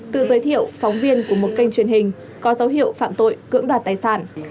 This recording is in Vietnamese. tự giới thiệu phóng viên của một kênh truyền hình có dấu hiệu phạm tội cưỡng đoạt tài sản